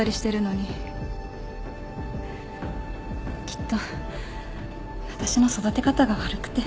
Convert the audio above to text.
きっと私の育て方が悪くて。